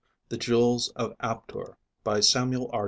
net THE JEWELS OF APTOR by SAMUEL R.